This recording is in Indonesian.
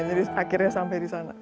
jadi akhirnya sampai di sana